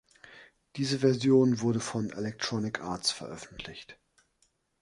Diese Version wurde von Electronic Arts veröffentlicht.